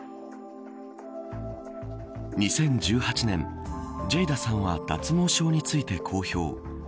２０１８年、ジェイダさんは脱毛症について公表。